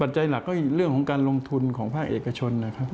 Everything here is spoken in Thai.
ใจหลักก็เรื่องของการลงทุนของภาคเอกชนนะครับ